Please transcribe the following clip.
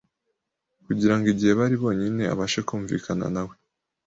kugira ngo igihe bari bonyine abashe kumvikana nawe.